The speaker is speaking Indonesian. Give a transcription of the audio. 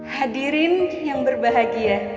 hadirin yang berbahagia